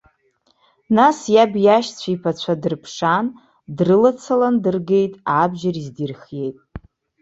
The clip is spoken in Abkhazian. Нас иаб иашьа иԥацәа дрыԥшаан, дрылацалан дыргеит, абџьар издырхиеит.